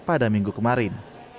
pada minggu kemarin